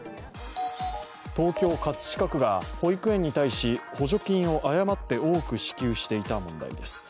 東京・葛飾区が保育園に対し補助金を誤って多く支給していた問題です。